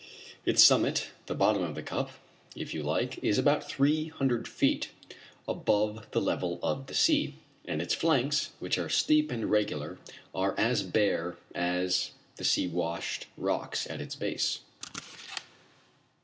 Its summit the bottom of the cup, if you like is about three hundred feet above the level of the sea, and its flanks, which are steep and regular, are as bare as the sea washed rocks at its base.